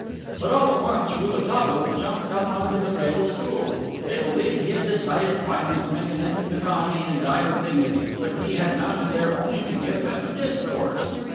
But all at once Rouletabille jumped up onto the fatal stool. They believed he had decided finally to make an end of the comedy and die with dignity; but he had mounted there only to give them a discourse.